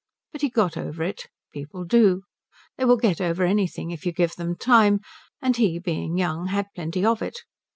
But he got over it. People do. They will get over anything if you give them time, and he being young had plenty of it.